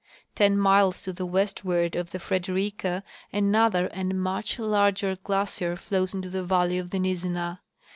Ten miles to the westward of the Frederika another and much larger glacier flows into the valley of the Nizzenah.